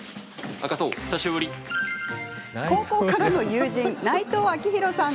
高校からの友人、内藤明宏さん。